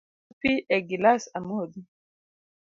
Olna pi e gilas amodhi.